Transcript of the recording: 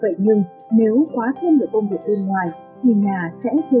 vậy nhưng nếu quá thêm người công việc bên ngoài thì nhà sẽ thiếu đi chủ yếu